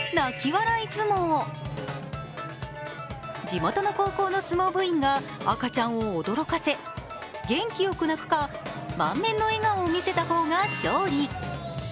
地元の高校の相撲部員が赤ちゃんを驚かせ、元気よく泣くか、満面の笑顔を見せた方が勝利。